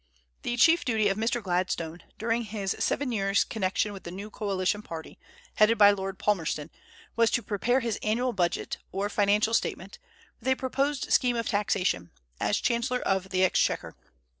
The chief duty of Mr. Gladstone during his seven years connection with the new coalition party, headed by Lord Palmerston, was to prepare his annual budget, or financial statement, with a proposed scheme of taxation, as chancellor of the exchequer.